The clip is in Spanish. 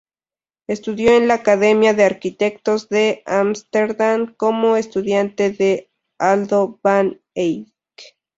Estudió en la academia de arquitectos de Ámsterdam como estudiante de Aldo van Eyck.